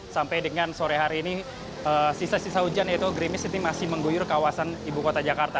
sampai dengan sore hari ini sisa sisa hujan yaitu grimis ini masih mengguyur kawasan ibu kota jakarta